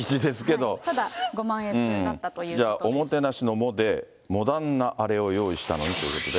ただ、ご満悦だったというこじゃあおもてなしのもで、モダンなあれを用意したのにということで。